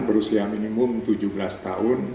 berusia minimum tujuh belas tahun